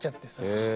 へえ。